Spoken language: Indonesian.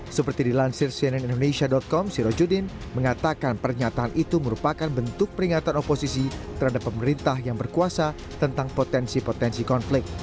seperti dilansir cnn indonesia com sirojudin mengatakan pernyataan itu merupakan bentuk peringatan oposisi terhadap pemerintah yang berkuasa tentang potensi potensi konflik